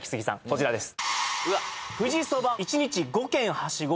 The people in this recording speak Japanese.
こちらです